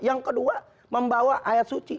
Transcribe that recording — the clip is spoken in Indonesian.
yang kedua membawa ayat suci